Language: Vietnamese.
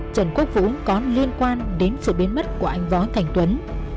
trần quốc vũ có liên quan đến sự biến mất của anh võ thành tuấn